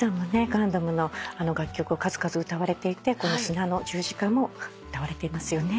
『ガンダム』の楽曲を数々歌われていてこの『砂の十字架』も歌われていますよね。